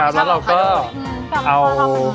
แล้วเราก็เอา